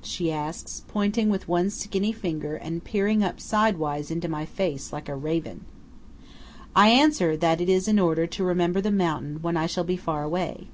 she asks, pointing with one skinny finger, and peering up sidewise into my face, like a raven. I answer that it is in order to remember the mountain when I shall be far away.